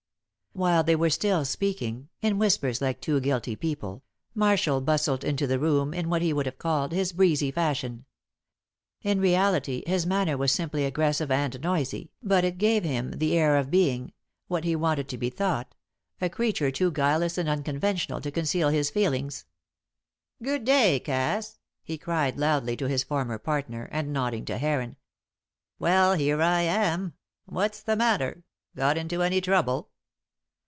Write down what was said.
While they were still speaking in whispers like two guilty people Marshall bustled into the room in what he would have called his breezy fashion. In reality his manner was simply aggressive and noisy, but it gave him the air of being what he wanted to be thought a creature too guileless and unconventional to conceal his feelings. "Good day, Cass," he cried loudly to his former partner, and nodding to Heron. "Well, here I am! What's the matter? Got into any trouble?"